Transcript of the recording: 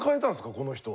この人は。